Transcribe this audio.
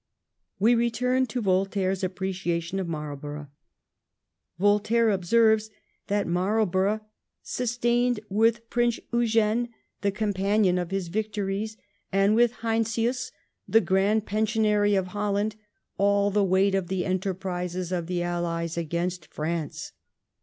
We return to Voltaire's appreciation of Marl borough. Voltaire observes that Marlborough " sus tained with Prince Eugene, the companion of his victories, and with Heinsius, the Grand Pensionary of Holland, all the weight of the enterprises of the Allies against France.